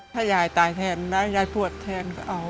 ถ้ายายตายแทนนะยายปวดแทนก็เอา